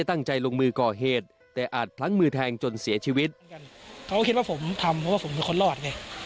เขาก็คิดว่าผมทำเพราะว่าผมเป็นคนรอด